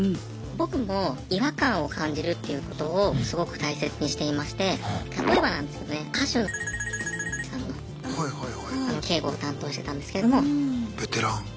僕も違和感を感じるっていうことをすごく大切にしていまして例えばなんですけどね歌手のさんの警護を担当してたんですけども。ベテラン。